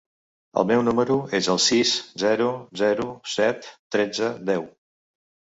El meu número es el sis, zero, zero, set, tretze, deu.